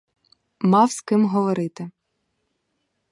Мав з ким говорити.